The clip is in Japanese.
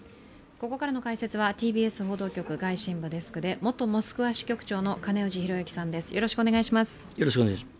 ここからの解説はＴＢＳ報道局外信部デスクで元モスクワ支局長の金氏さんです。